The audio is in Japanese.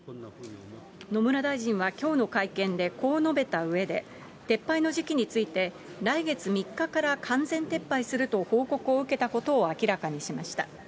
野村大臣はきょうの会見で、こう述べたうえで、撤廃の時期について、来月３日から完全撤廃すると報告を受けたことを明らかにしました。